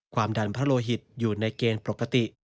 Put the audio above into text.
ความดันพระโลหิตอยู่ในเกณฑ์ปกติ